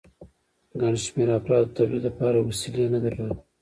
ګڼ شمېر افرادو د تولید لپاره وسیلې نه درلودې